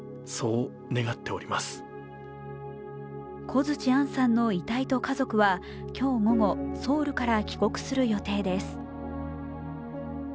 小槌杏さんの遺体と家族は、今日午後、ソウルから帰国する予定です。